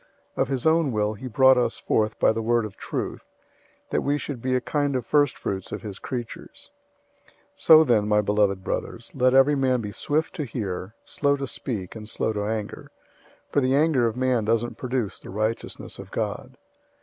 001:018 Of his own will he brought us forth by the word of truth, that we should be a kind of first fruits of his creatures. 001:019 So, then, my beloved brothers, let every man be swift to hear, slow to speak, and slow to anger; 001:020 for the anger of man doesn't produce the righteousness of God.